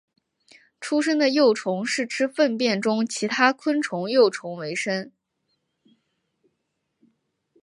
出生的幼虫是吃粪便中其他昆虫幼虫为生。